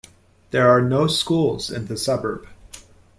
There are no schools in the suburb.